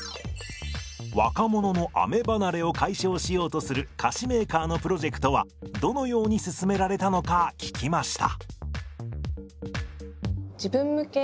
若者のアメ離れを解消しようとする菓子メーカーのプロジェクトはどのように進められたのか聞きました。